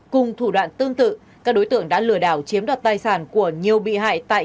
cùng thủ đoạn tương tự các đối tượng đã lừa đảo chiếm đoạt tài sản của nhiều bị hại tại